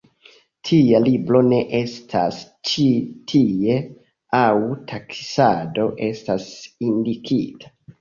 Tia libro ne enestas ĉi tie aŭ taksado estas indikita.